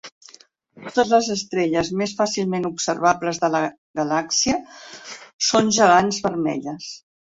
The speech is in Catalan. Totes les estrelles més fàcilment observables de la galàxia són gegants vermelles.